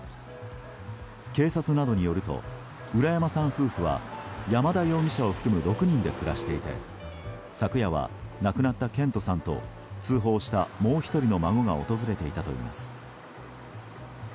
警察などによると浦山さん夫婦は山田容疑者を含む６人で暮らしていて昨夜は亡くなった健人さんと通報したもう１人の孫が訪れていたといいます。